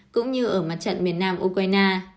cũng như ở mặt trận miền nam ukraine